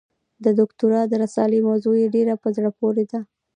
د دوکتورا د رسالې موضوع یې ډېره په زړه پورې ده.